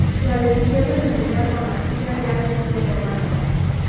La decisión de terminar con las giras ya había sido tomada.